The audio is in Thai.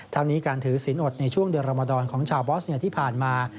ทั้งนี้การถือศีลอดในช่วงเดือนรมดรของชาวบอสที่ผ่านมา